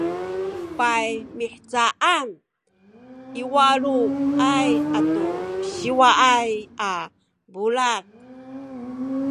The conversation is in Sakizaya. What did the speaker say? paymihcaan i waluay atu siwaay a bulad